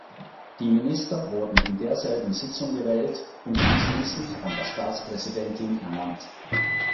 Die Minister wurden in derselben Sitzung gewählt und anschließend von der Staatspräsidentin ernannt.